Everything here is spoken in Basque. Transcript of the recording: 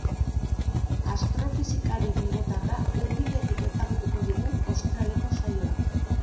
Astrofisikari bilbotarra hurbiletik ezagutuko dugu ostiraleko saioan.